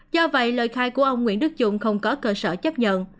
do vậy lời khai của ông nguyễn đức trung không có cơ sở chấp nhận